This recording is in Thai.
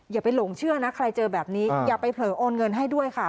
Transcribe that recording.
อย่าไปหลงเชื่อนะใครเจอแบบนี้อย่าไปเผลอโอนเงินให้ด้วยค่ะ